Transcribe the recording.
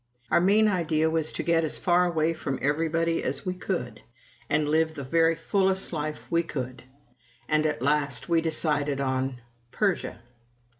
Our main idea was to get as far away from everybody as we could, and live the very fullest life we could, and at last we decided on Persia.